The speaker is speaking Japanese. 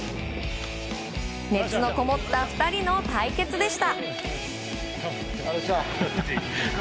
熱のこもった２人の対決でした。